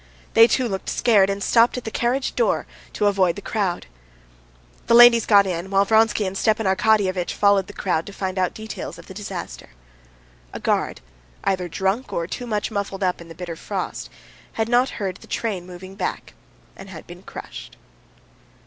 They too looked scared, and stopped at the carriage door to avoid the crowd. The ladies got in, while Vronsky and Stepan Arkadyevitch followed the crowd to find out details of the disaster. A guard, either drunk or too much muffled up in the bitter frost, had not heard the train moving back, and had been crushed.